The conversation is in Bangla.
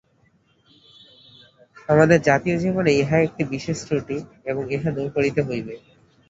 আমাদের জাতীয় জীবনে ইহা একটি বিশেষ ত্রুটি এবং ইহা দূর করিতে হইবে।